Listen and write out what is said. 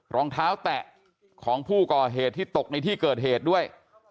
รองเท้าแตะของผู้ก่อเหตุที่ตกในที่เกิดเหตุด้วย